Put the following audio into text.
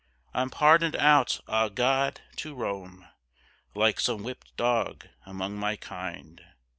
I'm pardoned out, ah God! to roam Like some whipped dog among my kind.